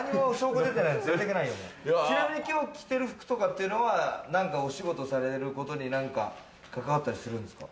ちなみに今日着てる服とかっていうのは、お仕事に何か関わったりするんですか？